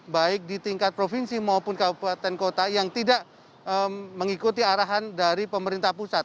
baik di tingkat provinsi maupun kabupaten kota yang tidak mengikuti arahan dari pemerintah pusat